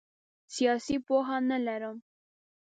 سیاسي پوهه نه لرم.